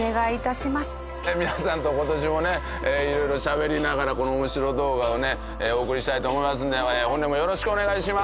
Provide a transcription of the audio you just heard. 皆さんと今年もね色々しゃべりながらこの面白動画をねお送りしたいと思いますので本年もよろしくお願いします。